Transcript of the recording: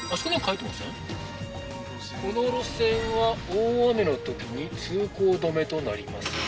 これ「この路線は大雨の時に通行止となります」